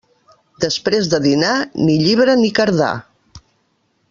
Després de dinar, ni llibre ni cardar.